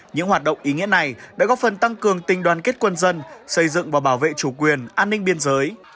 những hoạt động ý nghĩa này đã góp phần tăng cường tình đoàn kết quân dân xây dựng và bảo vệ chủ quyền an ninh biên giới